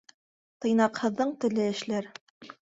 Тыйнаҡһыҙҙың теле эшләр.